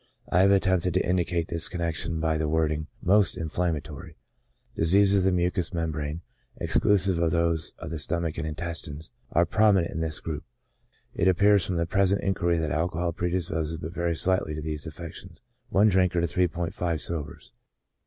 I have attempted to indicate this connection by the wording, mostly inflamma tory. Diseases of the mucous membranes, exclusive of those of the stomach and intestines, are prominent in this group ; it appears from the present inquiry that alcohol predisposes but very slightly to these affections, (i D. to 3*50 S.